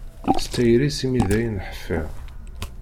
S tayri-s i mi dayen ḥfiɣ.